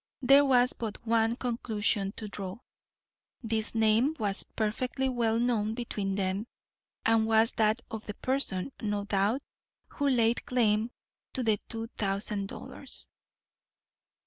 There was but one conclusion to draw. This name was perfectly well known between them, and was that of the person, no doubt, who laid claim to the two thousand dollars.